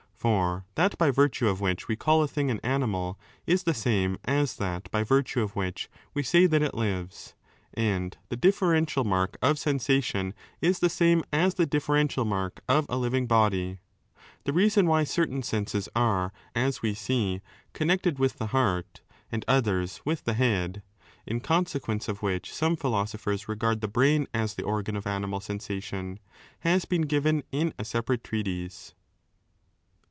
For that by virtue of which we call a thing an animal is the same as that by virtue of which we say that it lives, and the differential mark of sensation is the same as the differential mark of a lo living body. The reason why certain senses are, as we see, connected with the heart and others with the head (in consequence of which some philosophers^ r^ard the brain as the organ of animal sensation), has been given in a separate treatise.'